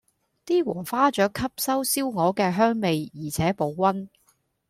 啲禾花雀吸收燒鵝嘅香味，而且保溫